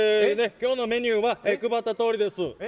今日のメニューは配ったとおりです。